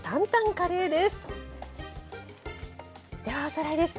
ではおさらいです。